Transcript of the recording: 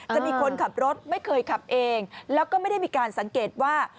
จะมีคนขับรถไม่เคยขับเองแล้วก็ไม่ได้มีการสังเกตว่า